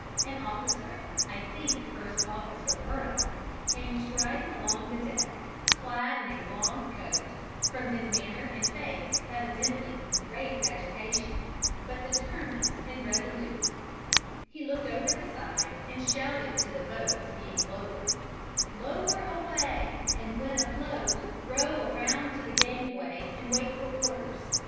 An officer I think First Officer Murdock came striding along the deck, clad in a long coat, from his manner and face evidently in great agitation, but determined and resolute; he looked over the side and shouted to the boats being lowered: "Lower away, and when afloat, row around to the gangway and wait for orders."